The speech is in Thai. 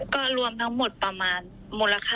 ก็รวมทั้งหมดประมาณมูลค่า๘๐๐๐๘๐๐ค่ะ